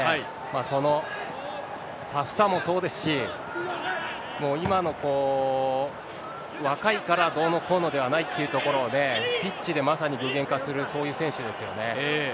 そのタフさもそうですし、今の若いからどうのこうのではないというところで、ピッチでまさに具現化する、そういう選手ですよね。